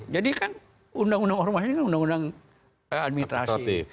jadi kan undang undang hormasi ini kan undang undang administrasi